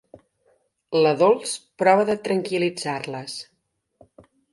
La Dols prova de tranquil·litzar-les.